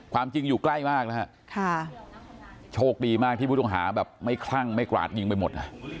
ความจริงอยู่ใกล้มากนะฮะโชคดีมากที่ผู้ต้องหาแบบไม่คลั่งไม่กราดยิงไปหมด